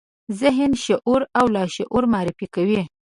ذهن، شعور او لاشعور معرفي کوي.